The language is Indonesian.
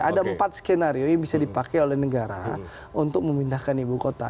ada empat skenario yang bisa dipakai oleh negara untuk memindahkan ibu kota